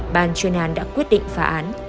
bàn chuyên án đã quyết định phá án